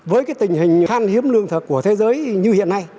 với tình hình khăn hiếm lương thực của thế giới như hiện nay